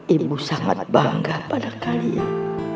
ibu sangat bangga pada kalian